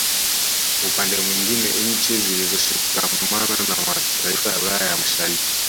Upande mwingine nchi zilizoshikamana na mataifa ya Ulaya ya Mashariki